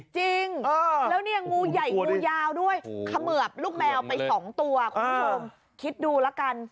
จริงแล้วเนี่ยงูใหญ่งูยาวด้วยเขมือบลูกแมวไป๒ตัวคุณผู้ชมคิดดูละกัน